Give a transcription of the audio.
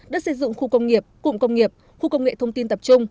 đất xây dựng khu công nghiệp cụm công nghiệp khu công nghệ thông tin tập trung